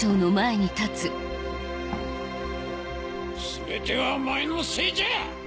全てはお前のせいじゃ！